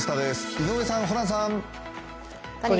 井上さん、ホランさん。